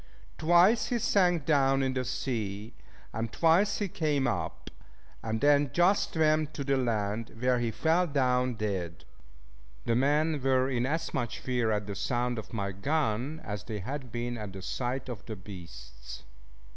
Twice he sank down in the sea, and twice he came up; and then just swam to the land, where he fell down dead. The men were in as much fear at the sound of my gun, as they had been at the sight of the beasts.